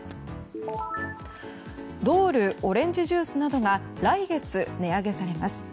Ｄｏｌｅオレンジジュースなどが来月値上げされます。